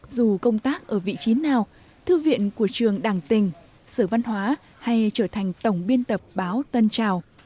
dù công tác ở vị trí nào thư viện của trường đảng tình sở văn hóa hay trở thành tổng biên tập báo tân trào